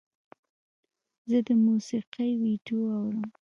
زه د موسیقۍ ویډیو اورم.